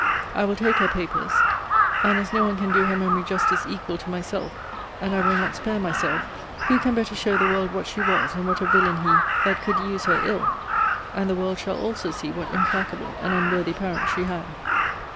I will take her papers. And, as no one can do her memory justice equal to myself, and I will not spare myself, who can better show the world what she was, and what a villain he that could use her ill? And the world shall also see what implacable and unworthy parents she had.